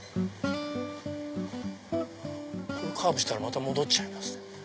これカーブしたらまた戻っちゃいますね。